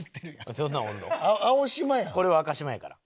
これは赤島やから。